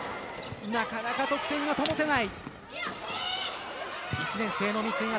なかなか得点が灯せない。